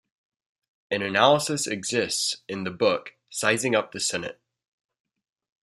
An analysis exists in the book "Sizing Up the Senate".